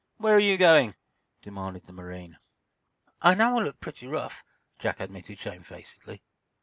Where are you going?" demanded the marine. "I know I look pretty tough," Jack admitted, shamefacedly.